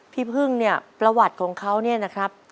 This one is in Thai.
พี่พึ่งเนี่ยประวัติของเขาเนี่ยนะครับ